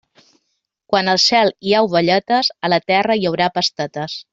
Quan al cel hi ha ovelletes, a la terra hi haurà pastetes.